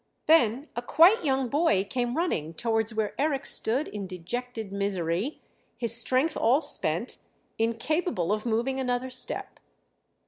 Then a quite young boy came running towards where Eric stood in dejected misery, his strength all spent, incapable of moving another step.